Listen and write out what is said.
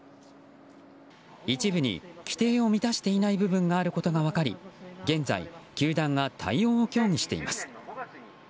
一部に規定を満たしていない部分があることが分かり現在、球団が対応を協議しています。